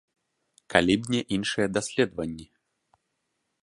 Калі б не іншыя даследаванні.